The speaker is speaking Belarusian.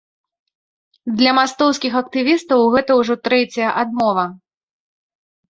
Для мастоўскіх актывістаў гэта ўжо трэцяя адмова.